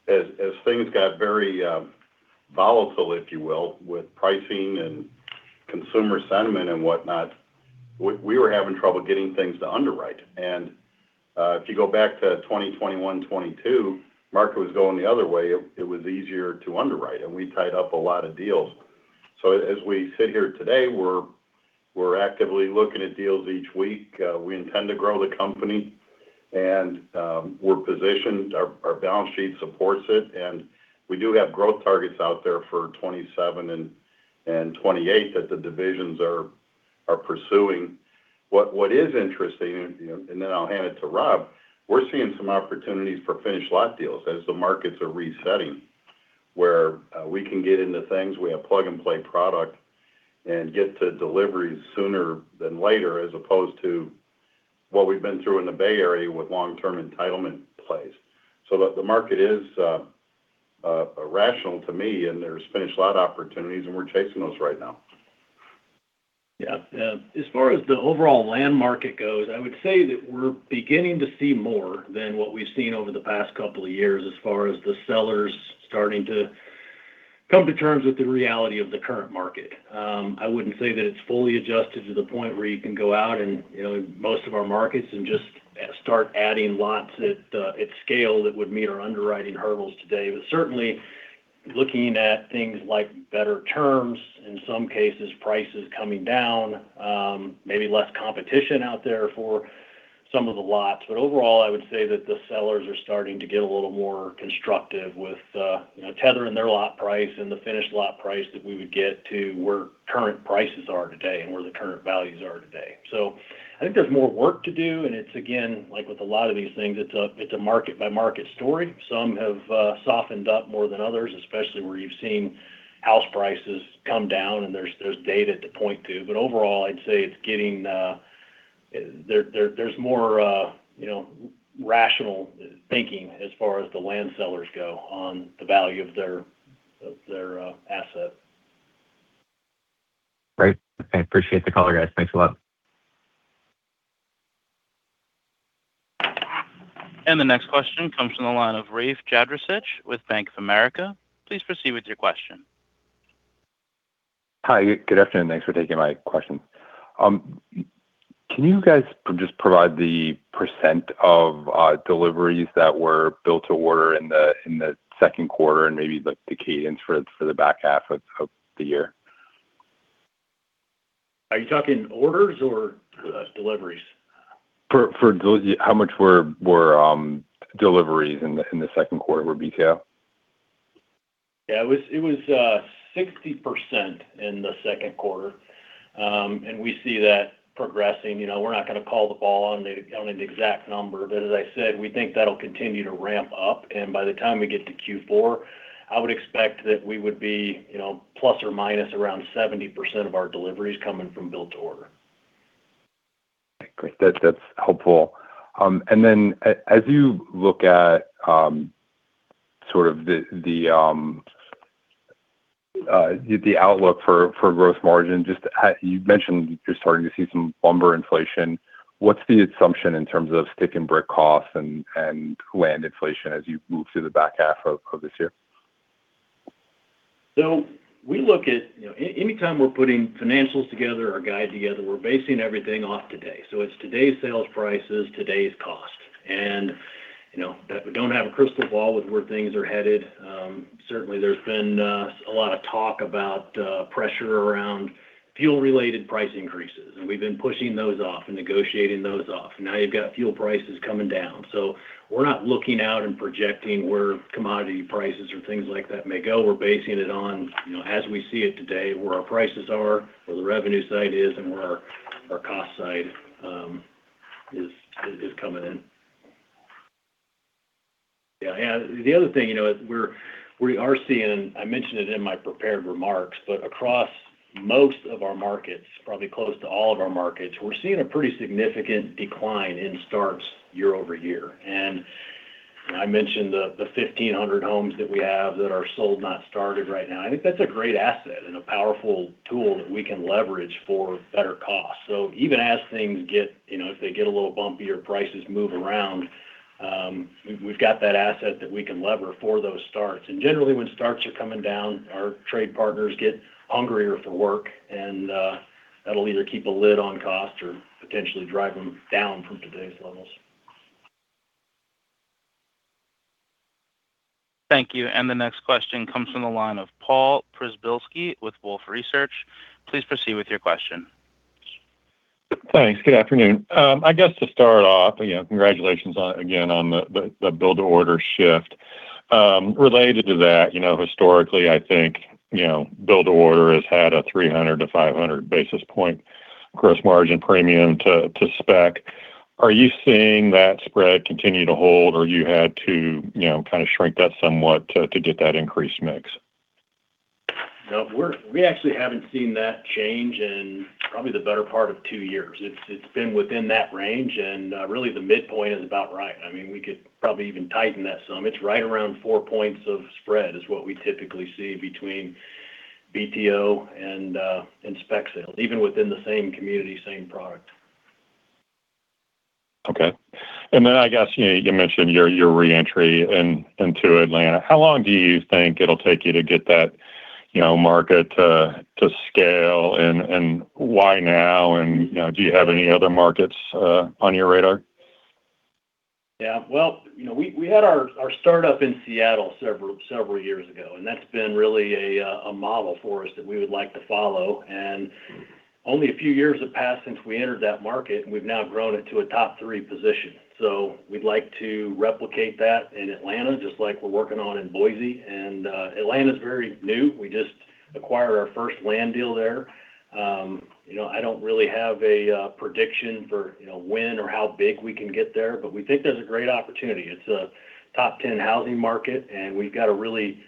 Speaker 3: As things got very volatile, if you will, with pricing and consumer sentiment and whatnot, we were having trouble getting things to underwrite. If you go back to 2021, 2022, market was going the other way. It was easier to underwrite, and we tied up a lot of deals. As we sit here today, we're actively looking at deals each week. We intend to grow the company, and we're positioned. Our balance sheet supports it, and we do have growth targets out there for 2027 and 2028 that the divisions are pursuing. What is interesting, I'll hand it to Rob, we're seeing some opportunities for finished lot deals as the markets are resetting, where we can get into things. We have plug-and-play product and get to deliveries sooner than later, as opposed to what we've been through in the Bay Area with long-term entitlement plays. The market is rational to me, and there's finished lot opportunities, and we're chasing those right now.
Speaker 4: Yeah. As far as the overall land market goes, I would say that we're beginning to see more than what we've seen over the past couple of years as far as the sellers starting to come to terms with the reality of the current market. I wouldn't say that it's fully adjusted to the point where you can go out and most of our markets and just start adding lots at scale that would meet our underwriting hurdles today. Certainly looking at things like better terms, in some cases, prices coming down, maybe less competition out there for some of the lots. Overall, I would say that the sellers are starting to get a little more constructive with tethering their lot price and the finished lot price that we would get to where current prices are today and where the current values are today. I think there's more work to do, and it's again, like with a lot of these things, it's a market-by-market story. Some have softened up more than others, especially where you've seen House prices come down and there's data to point to. Overall, I'd say there's more rational thinking as far as the land sellers go on the value of their asset.
Speaker 10: Great. I appreciate the color, guys. Thanks a lot.
Speaker 1: The next question comes from the line of Rafe Jadrosich with Bank of America. Please proceed with your question.
Speaker 11: Hi. Good afternoon. Thanks for taking my question. Can you guys just provide the percent of deliveries that were built to order in the second quarter and maybe the cadence for the back half of the year?
Speaker 4: Are you talking orders or deliveries?
Speaker 11: How much were deliveries in the second quarter were BTO?
Speaker 4: Yeah. It was 60% in the second quarter. We see that progressing. We're not going to call the ball on the exact number, but as I said, we think that'll continue to ramp up, and by the time we get to Q4, I would expect that we would be plus or minus around 70% of our deliveries coming from built to order.
Speaker 11: Great. That's helpful. Then as you look at sort of the outlook for gross margin, you mentioned you're starting to see some lumber inflation. What's the assumption in terms of stick and brick costs and land inflation as you move through the back half of this year?
Speaker 4: Anytime we're putting financials together, our guide together, we're basing everything off today. It's today's sales prices, today's cost, and we don't have a crystal ball with where things are headed. Certainly, there's been a lot of talk about pressure around fuel-related price increases, and we've been pushing those off and negotiating those off. Now you've got fuel prices coming down. We're not looking out and projecting where commodity prices or things like that may go. We're basing it on as we see it today, where our prices are, where the revenue side is, and where our cost side is coming in. Yeah. The other thing is we are seeing, I mentioned it in my prepared remarks, but across most of our markets, probably close to all of our markets, we're seeing a pretty significant decline in starts year-over-year. I mentioned the 1,500 homes that we have that are sold not started right now. I think that's a great asset and a powerful tool that we can leverage for better cost. Even as things get a little bumpier, prices move around, we've got that asset that we can lever for those starts. Generally, when starts are coming down, our trade partners get hungrier for work, and that'll either keep a lid on cost or potentially drive them down from today's levels.
Speaker 1: Thank you. The next question comes from the line of Paul Przybylski with Wolfe Research. Please proceed with your question.
Speaker 12: Thanks. Good afternoon. I guess to start off, congratulations again on the build-to-order shift. Related to that, historically, I think, build-to-order has had a 300 basis point-500 basis point gross margin premium to spec. Are you seeing that spread continue to hold, or you had to kind of shrink that somewhat to get that increased mix?
Speaker 4: No. We actually haven't seen that change in probably the better part of two years. It's been within that range and really the midpoint is about right. We could probably even tighten that some. It's right around four points of spread is what we typically see between BTO and spec sales, even within the same community, same product.
Speaker 12: Okay. I guess you mentioned your re-entry into Atlanta. How long do you think it'll take you to get that market to scale, and why now, and do you have any other markets on your radar?
Speaker 4: Well, we had our startup in Seattle several years ago, and that's been really a model for us that we would like to follow. Only a few years have passed since we entered that market, and we've now grown it to a top three position. We'd like to replicate that in Atlanta, just like we're working on in Boise. Atlanta's very new. We just acquired our first land deal there. I don't really have a prediction for when or how big we can get there, but we think there's a great opportunity. It's a top 10 housing market, and we've got a really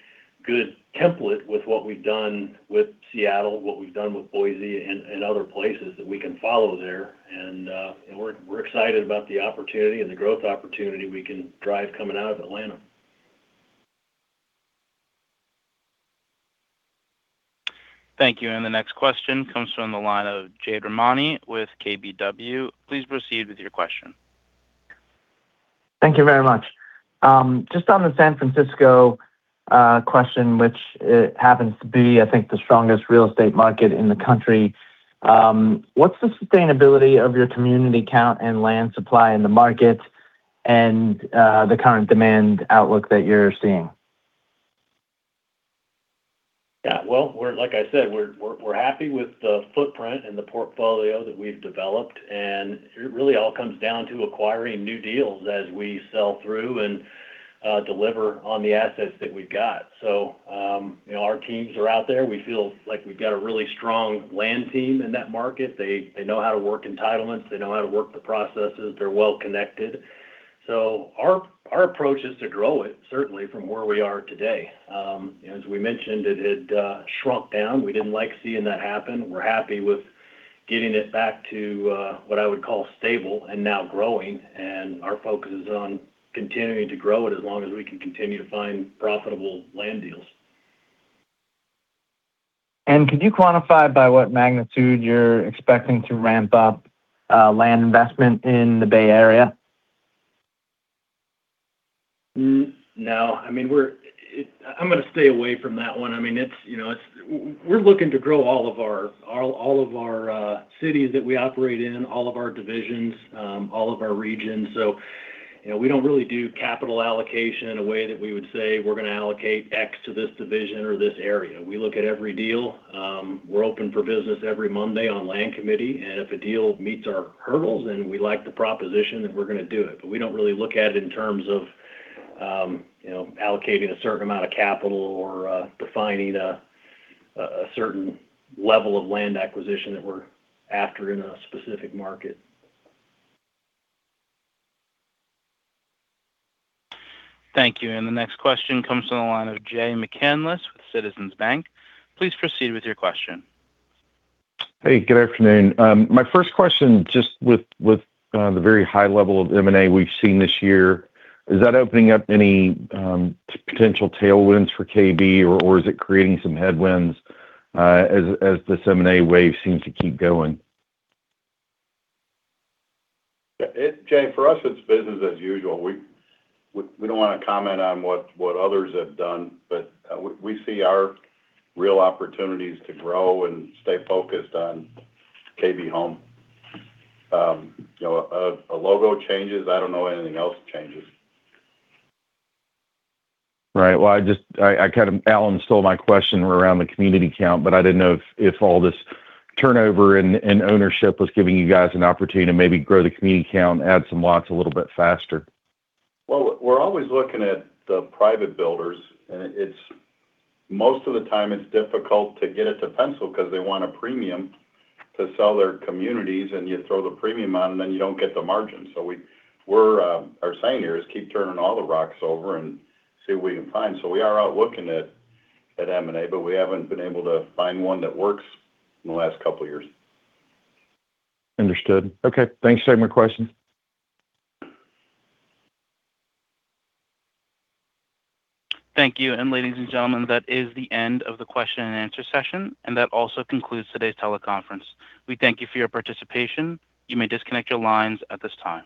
Speaker 4: good template with what we've done with Seattle, what we've done with Boise and other places that we can follow there. We're excited about the opportunity and the growth opportunity we can drive coming out of Atlanta.
Speaker 1: Thank you. The next question comes from the line of Jade Rahmani with KBW. Please proceed with your question.
Speaker 13: Thank you very much. Just on the San Francisco question, which happens to be, I think, the strongest real estate market in the country. What's the sustainability of your community count and land supply in the market and the current demand outlook that you're seeing?
Speaker 4: Well, like I said, we're happy with the footprint and the portfolio that we've developed, and it really all comes down to acquiring new deals as we sell through and deliver on the assets that we've got. Our teams are out there. We feel like we've got a really strong land team in that market. They know how to work entitlements. They know how to work the processes. They're well-connected. Our approach is to grow it, certainly from where we are today. As we mentioned, it had shrunk down. We didn't like seeing that happen. We're happy with getting it back to what I would call stable and now growing. Our focus is on continuing to grow it as long as we can continue to find profitable land deals.
Speaker 13: Could you quantify by what magnitude you're expecting to ramp up land investment in the Bay Area?
Speaker 4: No. I'm going to stay away from that one. We're looking to grow all of our cities that we operate in, all of our divisions, all of our regions. We don't really do capital allocation in a way that we would say we're going to allocate X to this division or this area. We look at every deal. We're open for business every Monday on land committee, and if a deal meets our hurdles and we like the proposition, then we're going to do it. We don't really look at it in terms of allocating a certain amount of capital or defining a certain level of land acquisition that we're after in a specific market.
Speaker 1: Thank you. The next question comes from the line of Jay McCanless with Citizens Bank. Please proceed with your question.
Speaker 14: Hey, good afternoon. My first question, just with the very high level of M&A we've seen this year, is that opening up any potential tailwinds for KB, or is it creating some headwinds as this M&A wave seems to keep going?
Speaker 4: Jay, for us, it's business as usual. We don't want to comment on what others have done, but we see our real opportunities to grow and stay focused on KB Home. A logo changes, I don't know anything else that changes.
Speaker 14: Right. Well, Alan stole my question around the community count, I didn't know if all this turnover and ownership was giving you guys an opportunity to maybe grow the community count, add some lots a little bit faster.
Speaker 4: Well, we're always looking at the private builders. Most of the time, it's difficult to get it to pencil because they want a premium to sell their communities, and you throw the premium on, and then you don't get the margin. What we're saying here is keep turning all the rocks over and see what we can find. We are out looking at M&A, but we haven't been able to find one that works in the last couple of years.
Speaker 14: Understood. Okay, thanks. That's my question.
Speaker 1: Thank you. Ladies and gentlemen, that is the end of the question and answer session, and that also concludes today's teleconference. We thank you for your participation. You may disconnect your lines at this time.